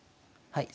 はい。